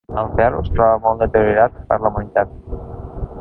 El ferro es troba molt deteriorat per la humitat.